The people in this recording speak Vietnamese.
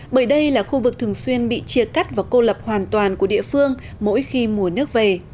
bởi đây là khu vực thường xuyên bị chia cắt và cô lập hoàn toàn của địa phương mỗi khi mùa nước về